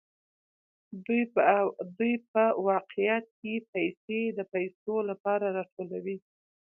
دوی په واقعیت کې پیسې د پیسو لپاره راټولوي